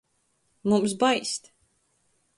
Mums baist.